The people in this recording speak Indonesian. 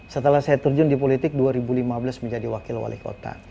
setelah saya terjun di politik dua ribu lima belas menjadi wakil wali kota